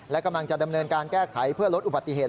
และกำลังจะดำเนินการแก้ไขเพื่อลดอุบัติเหตุ